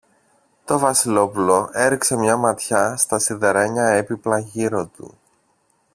Το Βασιλόπουλο έριξε μια ματιά στα σιδερένια έπιπλα γύρω του.